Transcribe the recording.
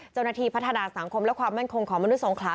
เจ้าหน้าที่พัฒนาสังคมและความมั่นคงของมนุษยสงขลา